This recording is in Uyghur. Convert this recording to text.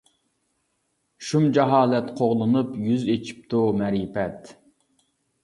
شۇم جاھالەت قوغلىنىپ، يۈز ئېچىپتۇ مەرىپەت.